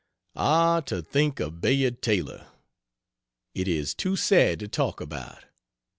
Ah, to think of Bayard Taylor! It is too sad to talk about.